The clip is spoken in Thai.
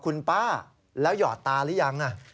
คุณป้าแล้วหยอดตาหรือยัง